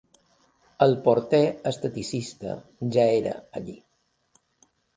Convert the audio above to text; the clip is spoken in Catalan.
El porter-esteticista ja era allí.